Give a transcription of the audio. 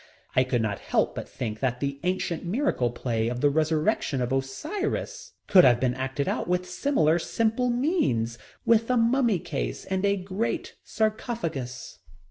I could not help but think that the ancient miracle play of the resurrection of Osiris could have been acted out with similar simple means, with a mummy case and great sarcophagus.